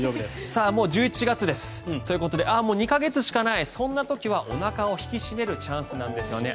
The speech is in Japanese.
もう１１月です。ということでもう２か月しかないそんな時はおなかを引き締めるチャンスなんですよね。